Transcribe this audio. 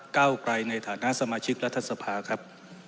เก้าไกลในฐานะสมาชิกรัฐสภาครับ